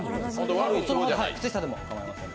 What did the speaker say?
靴下でも構いません。